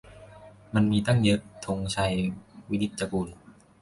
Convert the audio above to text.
มันมี ตั้งเยอะ - ธงชัย วินิจจะกูล